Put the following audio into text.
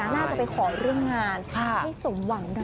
ง่าจะไปขอเรื่องงานให้สนหวังดั่งใจ